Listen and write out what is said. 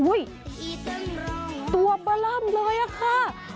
อุ้ยตัวประร่ำเลยอะค่ะ